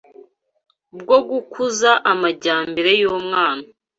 bwo gukuza amajyambere y’umwana